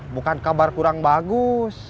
bukan kabar kurang bagus